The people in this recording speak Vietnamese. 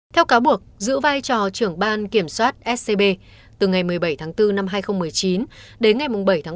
theo cáo buộc giữ vai trò trưởng ban kiểm soát scb từ ngày một mươi bảy bốn hai nghìn một mươi chín đến ngày bảy bảy hai nghìn hai mươi hai